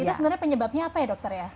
itu sebenarnya penyebabnya apa ya dokter ya